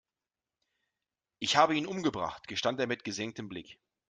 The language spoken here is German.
Ich habe ihn umgebracht, gestand er mit gesenktem Blick.